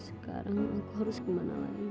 sekarang aku harus kemana lagi